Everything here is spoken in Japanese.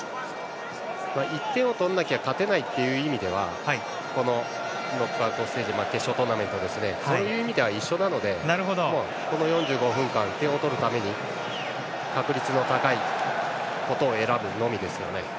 １点を取らなきゃ勝てないという意味ではノックアウトステージ決勝トーナメントそういう意味では一緒なのでこの４５分間、点を取るために確率の高いことを選ぶのみですね。